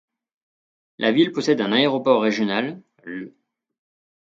La ville possède un aéroport régional, l'.